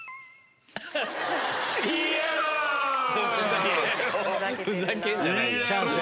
ふざけんじゃないよ。